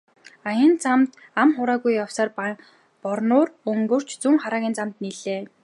Аян замд ам хуурайгүй явсаар Борнуур өнгөрч Зүүнхараагийн замд нийллээ.